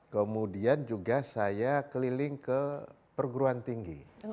kemudian juga saya keliling ke perguruan tinggi